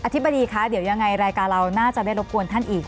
ธิบดีคะเดี๋ยวยังไงรายการเราน่าจะได้รบกวนท่านอีก